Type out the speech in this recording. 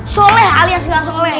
soleh alias gak soleh